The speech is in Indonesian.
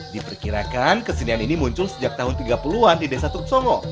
diperkirakan kesenian ini muncul sejak tahun tiga puluh an di desa tuksongo